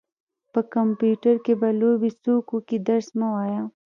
په کمپيوټر کې به لوبې څوک وکي درس مه وايه.